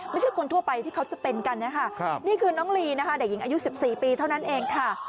ไม่ใช่คนทั่วไปที่เขาจะเป็นกันนะคะนี่คือน้องลีนะคะเด็กหญิงอายุ๑๔ปีเท่านั้นเองค่ะ